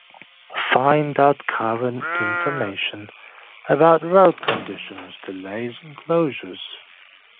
Find out current information about road conditions, delays, and closures.